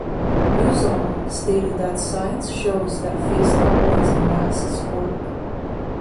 Newsom stated that "science shows that face coverings and masks work".